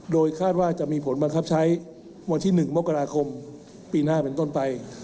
โดยคาดว่าจะมีผลบังคับใช้วันที่๑มกราคมปีหน้าเป็นต้นไป